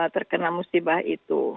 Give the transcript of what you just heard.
terkena musibah itu